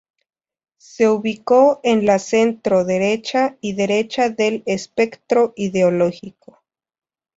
Se ubicó en la centro-derecha y derecha del espectro ideológico.